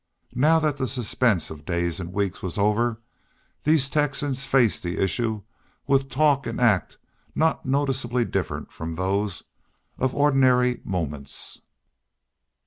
Now that the suspense of days and weeks was over, these Texans faced the issue with talk and act not noticeably different from those of ordinary moments.